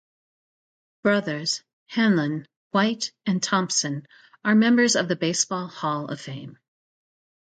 Brouthers, Hanlon, White, and Thompson are members of the Baseball Hall of Fame.